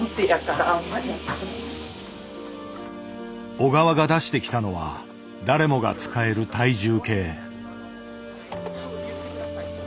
小川が出してきたのは誰もが使える「体重計」。